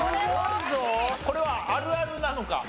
これはあるあるなのか？